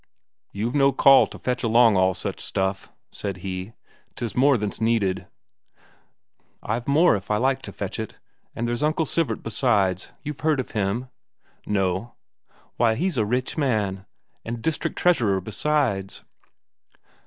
"You've no call to fetch along all such stuff," said he. "Tis more than's needed." "I've more if I like to fetch it. And there's uncle Sivert besides you've heard of him?" "No." "Why, he's a rich man, and district treasurer besides."